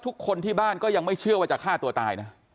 ทุกคนที่บ้านก็ยังไม่เชื่อว่าจะฆ่าตัวตายนะ